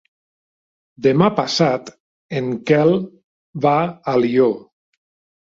Demà passat en Quel va a Alió.